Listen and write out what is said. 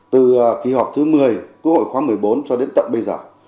từ kỳ họp thứ một mươi quốc hội khóa một mươi bốn cho đến tận bây giờ